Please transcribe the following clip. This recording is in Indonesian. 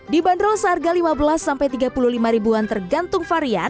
dibanderol seharga rp lima belas rp tiga puluh lima tergantung varian